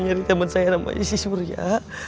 surya surya surya